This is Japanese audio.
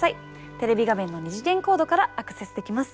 テレビ画面の２次元コードからアクセスできます。